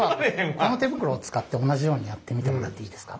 この手袋を使って同じようにやってみてもらっていいですか。